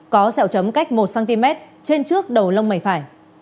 có xẹo chấm cách một cm trên trước đầu lông mầy phải